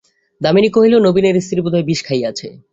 দামিনী কহিল, নবীনের স্ত্রী বোধ হয় বিষ খাইয়াছে।